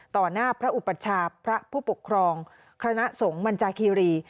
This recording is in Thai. หน้าพระอุปัชชาพระผู้ปกครองคณะสงฆ์มันจาคีรี